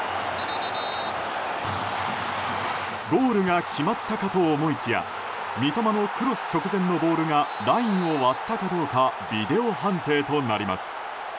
ゴールが決まったかと思いきや三笘のクロス直前のボールがラインを割ったかどうかビデオ判定となります。